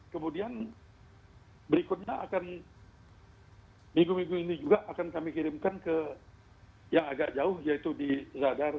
kemudian berikutnya akan minggu minggu ini juga akan kami kirimkan ke yang agak jauh yaitu di zadar